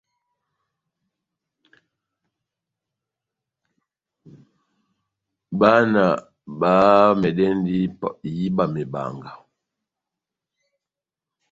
Bána bamɛdɛndi ihíba iwɛ mebanga.